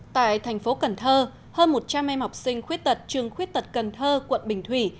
tại thành phố cần thơ hơn một trăm linh em học sinh khuyết tật trường khuyết tật cần thơ quận bình thủy